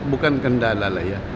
bukan kendala lah ya